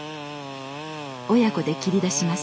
親子で切り出します。